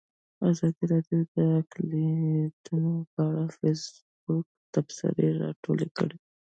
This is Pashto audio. ازادي راډیو د اقلیتونه په اړه د فیسبوک تبصرې راټولې کړي.